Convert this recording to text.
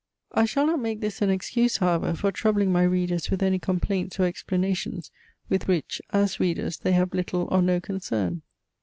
I shall not make this an excuse, however, for troubling my readers with any complaints or explanations, with which, as readers, they have little or no concern.